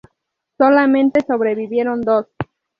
Solamente sobrevivieron dos.